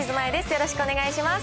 よろしくお願いします。